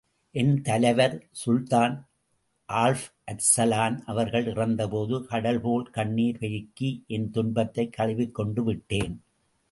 என் தலைவர் சுல்தான் Alp Arslan அவர்கள் இறந்தபோது, கடல்போல் கண்ணிர் பெருக்கி என் துன்பத்தைக் கழுவிக்கொண்டு விட்டேன்.